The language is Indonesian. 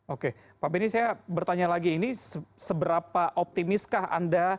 oke pak benny saya bertanya lagi ini seberapa optimiskah anda